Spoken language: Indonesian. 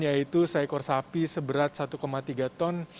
yaitu seekor sapi seberat satu tiga ton